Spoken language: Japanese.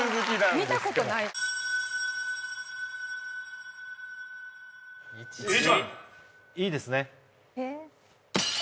見たことない１番いいですね